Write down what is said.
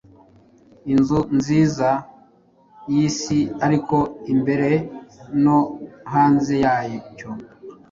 Inzu nziza-yisi ariko imbere no hanze yacyo